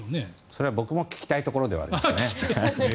それは僕も聞きたいところではありますね。